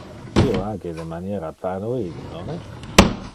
Io age de maniera paranoide, nonne?